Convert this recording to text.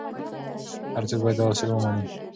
هر څوک باید دا اصول ومني.